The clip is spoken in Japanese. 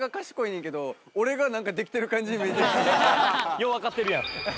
「ようわかってるやん」